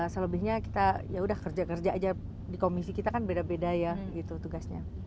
selebihnya kita yaudah kerja kerja aja di komisi kita kan beda beda ya gitu tugasnya